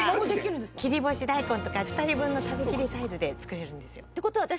切り干し大根とか２人分の食べきりサイズで作れるんですよ。